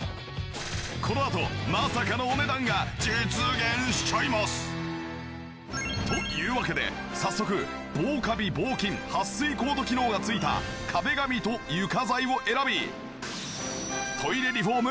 このあとまさかのお値段が実現しちゃいます！というわけで早速防カビ防菌はっ水コート機能が付いた壁紙と床材を選び。